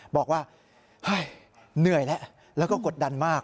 บอกว่าเฮ้ยเหนื่อยแล้วแล้วก็กดดันมาก